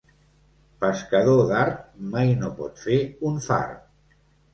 Pescador d'art mai no pot fer un fart.